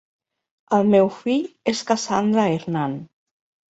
El meu fill és Cassandra Hernán.